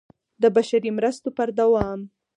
د بشري مرستو پر دوام